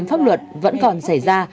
pháp luật vẫn còn xảy ra